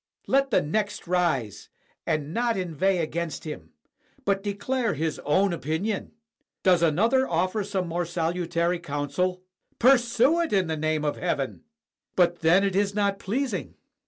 Let the next rise, and not inveigh against him, but declare his own opinion. Does another offer some more salutary coun sel? Pursue it, in the name of heaven! "But then it is not pleasing."